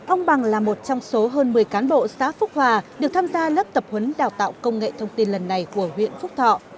ông bằng là một trong số hơn một mươi cán bộ xã phúc hòa được tham gia lớp tập huấn đào tạo công nghệ thông tin lần này của huyện phúc thọ